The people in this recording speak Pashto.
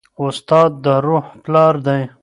استاد د روح پلار دی.